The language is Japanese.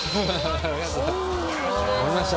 ありがとうございます。